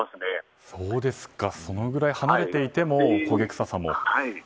そのぐらい離れていても焦げ臭さも。